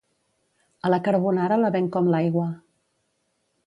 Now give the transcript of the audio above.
A la carbonara la venc com l'aigua.